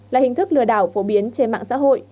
là hình thức lừa đảo phổ biến trên mạng xã hội